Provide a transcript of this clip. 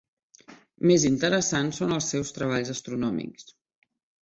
Més interessants són els seus treballs astronòmics.